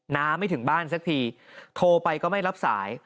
้าไม่ถึงบ้านสักทีโทรไปก็ไม่รับสาย